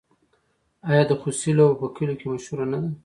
آیا د خوسي لوبه په کلیو کې مشهوره نه ده؟